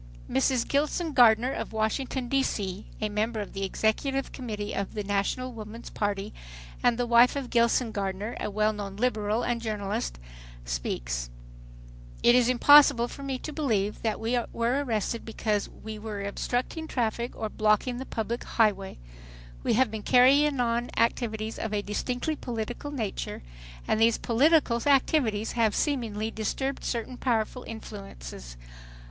Mrs. Gilson Gardner of Washington, D. C., a member of the Executive Committee of the National Woman's party, and the wife of Gilson Gardner, a well known Liberal and journalist, speaks: "It is impossible for me to believe that we were arrested because we were obstructing traffic or blocking the public high way. "We have been carrying on activities of a distinctly political nature, and these political activities have seemingly disturbed certain powerful influences.